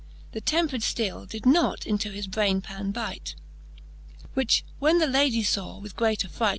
The tempred fteele did not into his braynepan byte. XXXI. Which when the Ladie faw, with great affright.